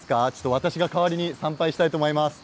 私が代わりに参拝したいと思います。